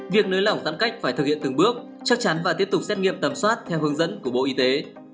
việc nới lỏng giãn cách phải thực hiện từng bước chắc chắn và tiếp tục xét nghiệm tầm soát theo hướng dẫn của bộ y tế